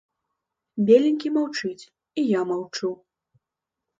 Беленькі маўчыць, і я маўчу.